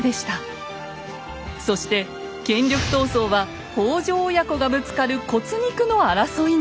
そして権力闘争は北条親子がぶつかる骨肉の争いに！